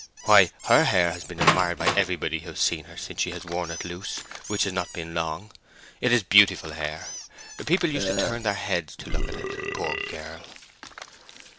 "Why, her hair has been admired by everybody who has seen her since she has worn it loose, which has not been long. It is beautiful hair. People used to turn their heads to look at it, poor girl!"